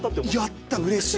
やったうれしい。